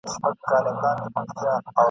هم پر کور هم یې پر کلي شرمولې !.